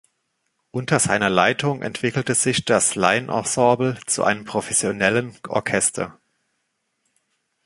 Unter seiner Leitung entwickelte sich das Laienensemble zu einem professionellen Orchester.